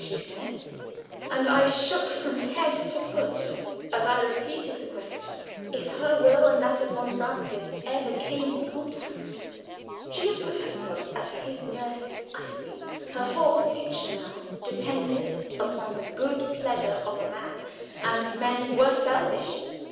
she said, and I shook from head to foot as I repeated the question. If her will and that of von Francius ever came in contact. She had put herself at his mercy utterly; her whole future now depended upon the good pleasure of a man and men were selfish.